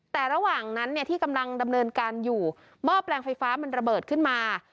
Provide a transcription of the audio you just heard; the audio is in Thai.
แต่ระหว่างนั้นเนี่ยที่กำลังดำเนินการอยู่หม้อแปลงไฟฟ้ามันระเบิดขึ้นมา